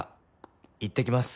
「いってきます！」